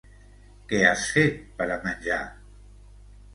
Què has fet per a menjar?